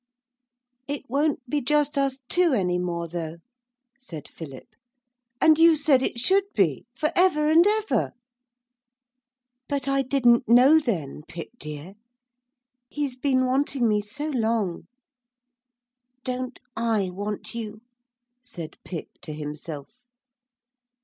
'It won't be just us two any more, though,' said Philip, 'and you said it should be, for ever and ever.' 'But I didn't know then, Pip, dear. He's been wanting me so long ' 'Don't I want you?' said Pip to himself.